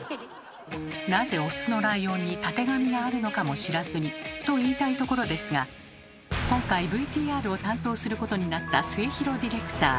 なぜオスのライオンにたてがみがあるのかも知らずにと言いたいところですが今回ＶＴＲを担当することになった末廣ディレクター。